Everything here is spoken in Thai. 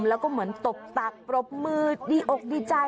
แล้วก็เหมือนตบตักปรบมือดีอกดีใจ